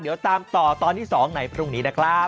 เดี๋ยวตามต่อตอนที่๒ในพรุ่งนี้นะครับ